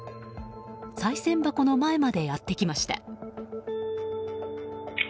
さい銭箱の前までやってきました。